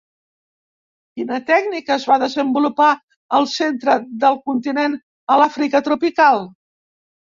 Quina tècnica es va desenvolupar al centre del continent a l'Àfrica tropical?